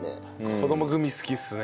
子どもグミ好きっすね。